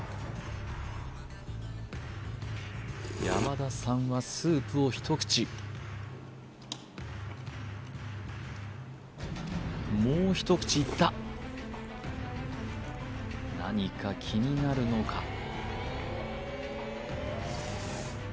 山田さんはスープを一口もう一口いった何か気になるのか？